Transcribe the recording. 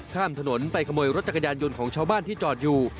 ข้ามถนนไปขโมยรถจักรยานยนต์ของชาวบ้านที่จอดอยู่